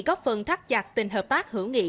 góp phần thắt chặt tình hợp tác hữu nghị